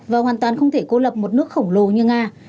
và hoàn toàn không thể cô lập một nước khổng lồ như nga